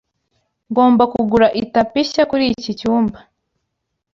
Ngomba kugura itapi nshya kuri iki cyumba.